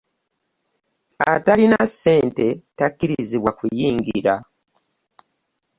Atalina ssente takkirizibwa kuyingira.